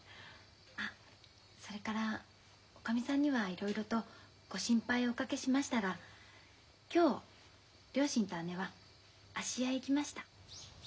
あっそれからおかみさんにはいろいろとご心配をおかけしましたが今日両親と姉は芦屋へ行きました。